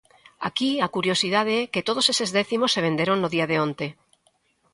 Aquí a curiosidade é que todos eses décimos se venderon no día de onte.